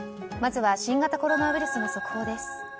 まずは新型コロナウイルスの速報です。